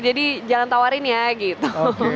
jadi jangan tawarin ya gitu